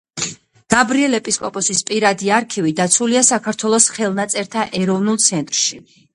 გაბრიელ ეპისკოპოსის პირადი არქივი დაცულია საქართველოს ხელნაწერთა ეროვნულ ცენტრში.